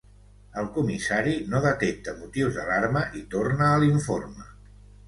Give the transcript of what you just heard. El comissari no detecta motius d'alarma i torna a l'informe.